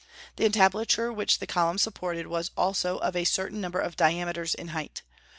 The entablature which the column supported was also of a certain number of diameters in height.